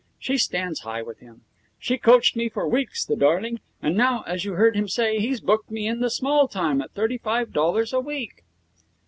She stands high with him. She coached me for weeks, the darling. And now, as you heard him say, he's booked me in the small time at thirty five dollars a week.'